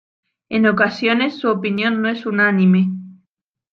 En ocasiones su opinión no es unánime.